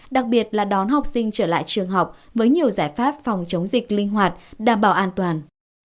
đặc biệt là đón học sinh trở lại trường học với nhiều giải pháp phòng chống dịch linh hoạt đảm bảo an toàn